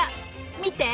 見て！